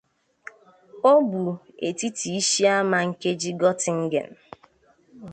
O bu etiti ishi ama nkeji Göttingen.